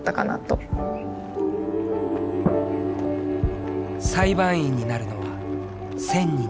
裁判員になるのは１０００人に１人。